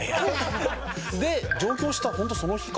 で上京したホントその日か。